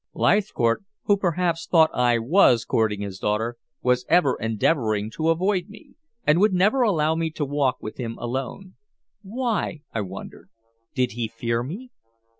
Leithcourt, who perhaps thought I was courting his daughter, was ever endeavoring to avoid me, and would never allow me to walk with him alone. Why? I wondered. Did he fear me?